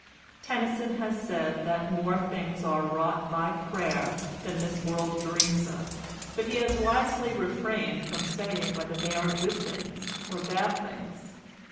Tennyson has said that more things are wrought by prayer than this world dreams of, but he has wisely refrained from saying whether they are good things or bad things.